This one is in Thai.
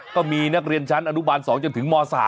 ก็มีนักเรียนชั้นอนุบาล๒จนถึงม๓